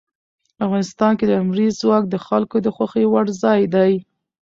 افغانستان کې لمریز ځواک د خلکو د خوښې وړ ځای دی.